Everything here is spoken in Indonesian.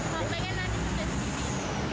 kalau pengen nanti sampai segini